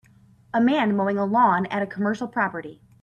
A man mowing a lawn at a commercial property.